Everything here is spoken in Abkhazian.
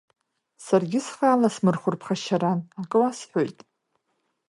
Саргьы схы аласмырхәыр ԥхашьаран, акы уасҳәоит.